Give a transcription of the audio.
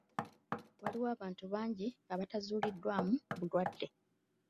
Waliwo abantu bangi abatazuuliddwamu bulwadde.